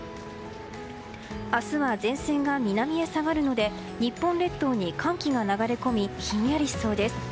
明日は前線が南へ下がるので日本列島に寒気が流れ込みひんやりしそうです。